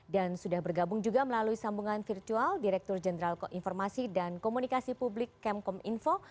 dan sudah bergabung juga melalui sambungan virtual direktur jenderal koinformasi dan komunikasi publik kemkominfo